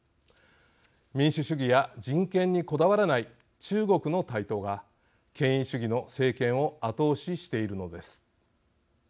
民主主義や人権にこだわらない中国の台頭が権威主義の政権を後押ししているのです。